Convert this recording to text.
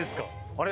あれ！？